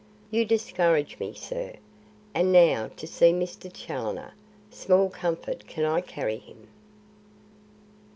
"You discourage me, sir. And now to see Mr. Challoner. Small comfort can I carry him."